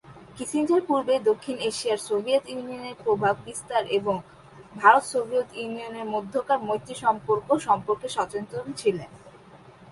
Kissinger পূর্বেই দক্ষিণ এশিয়ায় সোভিয়েত ইউনিয়নের প্রভাব বিস্তার এবং ভারত-সোভিয়েত ইউনিয়নের মধ্যেকার মৈত্রী সম্পর্ক সম্পর্কে সচেতন ছিলেন।